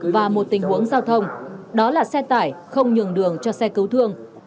và một tình huống giao thông đó là xe tải không nhường đường cho xe cứu thương